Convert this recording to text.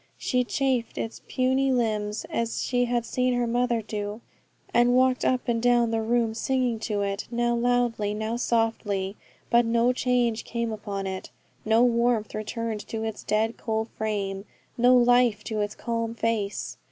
She chafed its puny limbs, as she had seen her mother do, and walked up and down the room singing to it, now loudly, now softly; but no change came upon it, no warmth returned to its death cold frame, no life to its calm face.